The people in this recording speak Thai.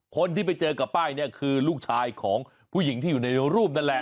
คนที่ไปเจอกับป้ายเนี่ยคือลูกชายของผู้หญิงที่อยู่ในรูปนั่นแหละ